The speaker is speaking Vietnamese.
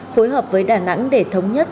phối hợp với đà nẵng để thống nhất